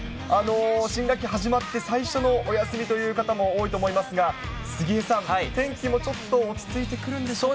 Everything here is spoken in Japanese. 新学期始まって最初のお休みという方も多いと思いますが、杉江さん、天気もちょっと落ち着いてくるんでしょうか。